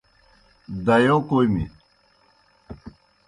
دائیو کوْمیْ۔